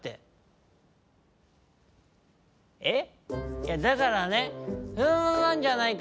いやだからねなんじゃないかって。